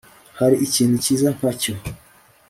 hari ikintu cyiza nkacyo